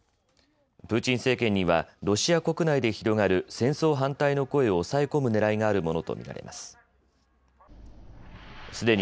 プーチン政権にはロシア国内で広がる戦争反対の声を押さえ込むねらいがあるものと見られます。